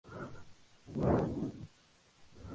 Por lo tanto, es demasiado tenue para ser visto a simple vista.